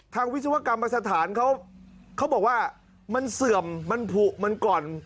วิศวกรรมสถานเขาบอกว่ามันเสื่อมมันผูกมันก่อน